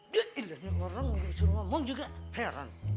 dia orang disuruh ngomong juga heran